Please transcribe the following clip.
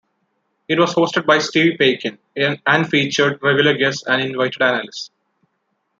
It was hosted by Steve Paikin, and featured regular guests and invited analysts.